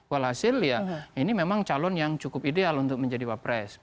walhasil ya ini memang calon yang cukup ideal untuk menjadi wapres